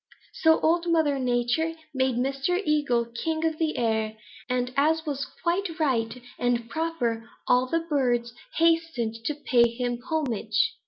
So Old Mother Nature made Mr. Eagle king of the air, and as was quite right and proper, all the birds hastened to pay him homage.